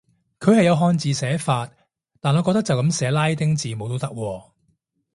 佢係有漢字寫法，但我覺得就噉寫拉丁字母都得喎